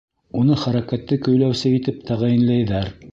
Уны хәрәкәтте көйләүсе итеп тәғәйенләйҙәр.